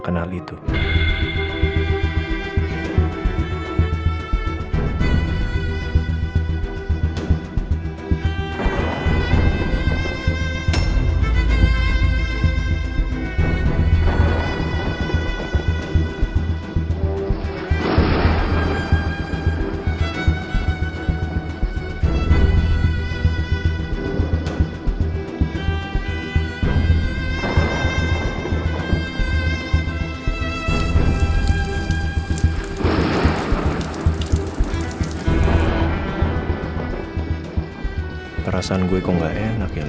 kamu memang punya keinginan